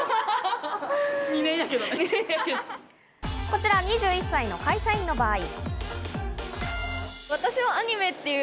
こちら、２１歳の会社員の場合。